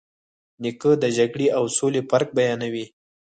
نیکه د جګړې او سولې فرق بیانوي.